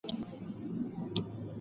حقیقت کله ناوخته څرګندیږي.